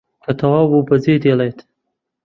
کە تەواو بوو بەجێ دێڵێت